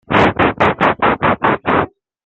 Le village est par conséquent mi-parti.